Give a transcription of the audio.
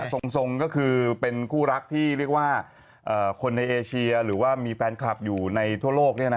ทรงก็คือเป็นคู่รักที่เรียกว่าคนในเอเชียหรือว่ามีแฟนคลับอยู่ในทั่วโลก